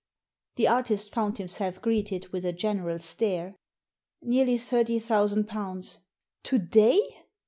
The artist found himself greeted with a general stare. Nearly thirty thousand pounds." "To day?"